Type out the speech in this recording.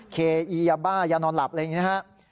เคอียาบ้ายานอนหลับอะไรอย่างนี้นะครับ